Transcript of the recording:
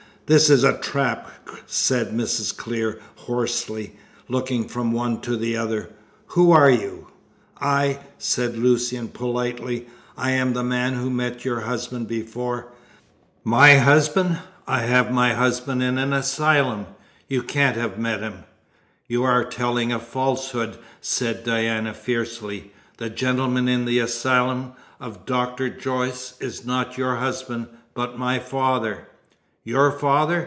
"This is a trap," said Mrs. Clear, hoarsely, looking from the one to the other. "Who are you?" "I," said Lucian, politely, "I am the man who met your husband before " "My husband! I have my husband in an asylum. You can't have met him!" "You are telling a falsehood," said Diana fiercely. "The gentleman in the asylum of Dr. Jorce is not your husband, but my father!" "Your father?